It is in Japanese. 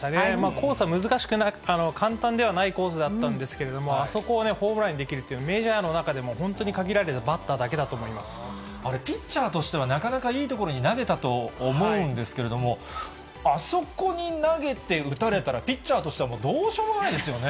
コースは簡単ではないコースだったんですけども、あそこをホームランにできるっていう、メジャーの中でも本当に限られたバッターあれ、ピッチャーとしては、なかなかいい所に投げたと思うんですけれども、あそこに投げて打たれたら、ピッチャーとしたらもうどうしようもないですよね。